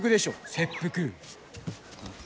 切腹。